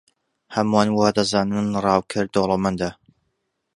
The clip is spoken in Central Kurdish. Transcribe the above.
هەمووان وا دەزانن ڕاوکەر دەوڵەمەندە.